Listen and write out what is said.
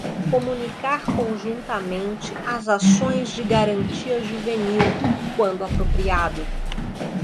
Comunicar conjuntamente as ações de garantia juvenil, quando apropriado.